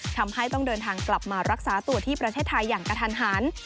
ทำให้ต้องเดินทางกลับมารักษาตัวที่ประเทศไทยอย่างกระทันหัน